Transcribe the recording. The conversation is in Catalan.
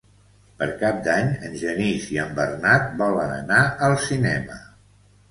Per Cap d'Any en Genís i en Bernat volen anar al cinema.